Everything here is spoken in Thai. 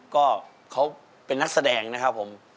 ก็เขาเป็นนักแสดงนะครับผม